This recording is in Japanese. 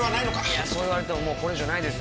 いやそう言われてももうこれ以上ないですよ。